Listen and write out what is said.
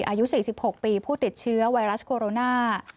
อายุ๔๖ปีผู้ติดเชื้อไวรัสโคโรนา